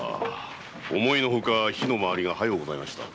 思いのほか火の回りが速うございました。